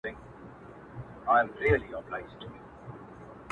گیله من وو له اسمانه له عالمه!